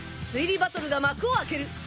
推理バトルが幕を開ける！